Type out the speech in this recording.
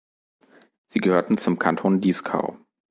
Sie gehörten zum Kanton Dieskau.